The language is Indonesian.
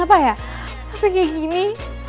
apa ya sampai kayak gini